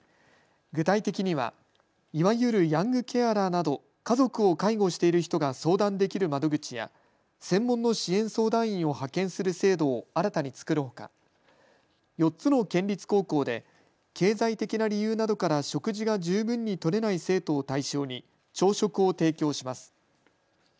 具体的にはいわゆるヤングケアラーなど家族を介護している人が相談できる窓口や専門の支援相談員を派遣する制度を新たに作るほか４つの県立高校で経済的な理由などから食事が十分にとれない生徒を対象に朝食を提供します。